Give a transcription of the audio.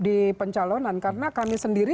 di pencalonan karena kami sendiri